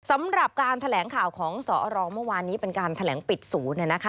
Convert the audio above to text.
สำหรับการแถลงข่าวของสรเมื่อวานนี้เป็นการแถลงปิดศูนย์